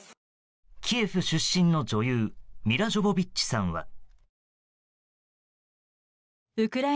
キエフ出身の女優、ミラ・ジョヴォヴィッチさんは。